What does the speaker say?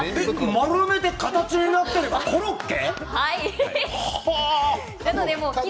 丸めて形になっているのがコロッケ。